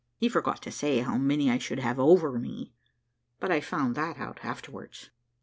He forgot to say how many I should have over me, but I found that out afterwards.